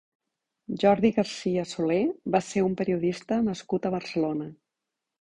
Jordi García-Soler va ser un periodista nascut a Barcelona.